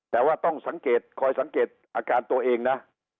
แต่ว่าต้องสังเกตคอยสังเกตอาการตัวเองนะ